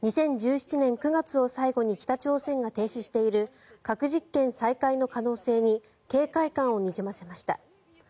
２０１７年９月を最後に北朝鮮が停止している核実験再開の可能性に警戒感をにじませました。